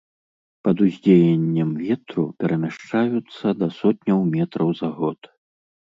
Пад уздзеяннем ветру перамяшчаюцца да сотняў метраў за год.